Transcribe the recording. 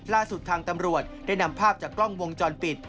ล่าสุดทางตำรวจได้นำภาพจากกล้องวงจรปิด